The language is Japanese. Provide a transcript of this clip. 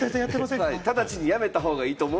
ただちに止めたほうがいいと思う。